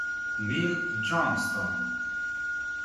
Neil Johnston